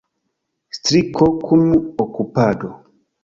Striko kun okupado.